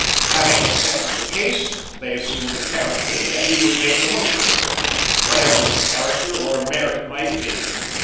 Having accepted the case, they assumed apparently that he would make the most of it, whatever its character or merit might be.